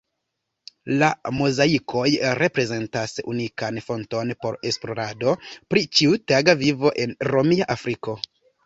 La mozaikoj reprezentas unikan fonton por esplorado pri ĉiutaga vivo en Romia Afriko.